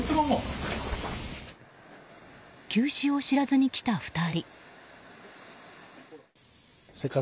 休止を知らずに来た２人。